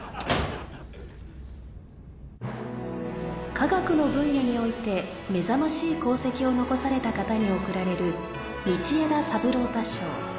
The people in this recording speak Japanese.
・科学の分野において目覚しい功績を残された方に贈られる道枝三郎太賞。